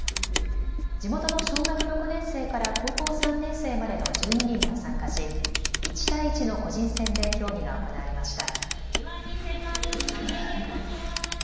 地元の小学６年生から高校３年生までの１２人が参加し１対１の個人戦で競技が行われました。